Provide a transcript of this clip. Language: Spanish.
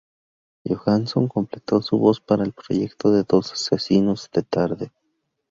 Johansson completó su voz para el proyecto en dos sesiones de tarde.